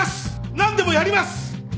何でもやります！